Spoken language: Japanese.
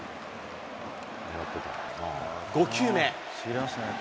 ５球目。